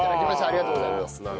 ありがとうございます。